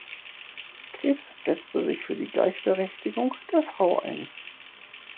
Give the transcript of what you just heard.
Krebs setzte sich für die Gleichberechtigung der Frau ein.